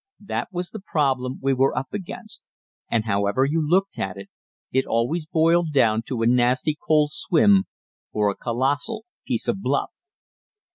That was the problem we were up against, and however you looked at it, it always boiled down to a nasty cold swim or a colossal piece of bluff.